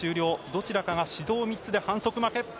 どちらかが指導３つで反則負け。